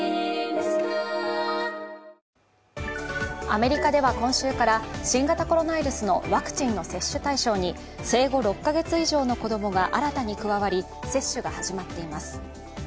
アメリカでは今週から新型コロナウイルスのワクチンの接種対象に生後６カ月以上の子供が新たに加わり、接種が始まっています。